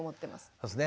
そうですね。